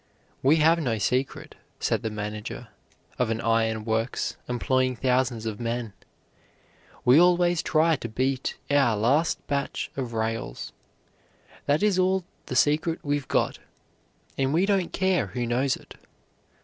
"We have no secret," said the manager of an iron works employing thousands of men. "We always try to beat our last batch of rails. That is all the secret we've got, and we don't care who knows it."